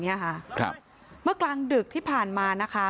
การเหดการเนี้ยค่ะเมื่อกลางดึกที่ผ่านมานะคะ